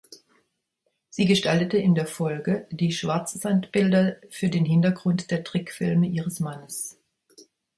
Sie gestaltete in der Folge die Schwarzsandbilder für den Hintergrund der Trickfilme ihres Mannes.